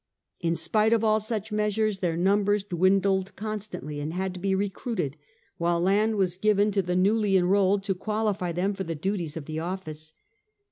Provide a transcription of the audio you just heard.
In spite of all such measures their numbers dwindled constantly, and had to be recruited, while land was given to the newly enrolled to qualify them for the duties of the service.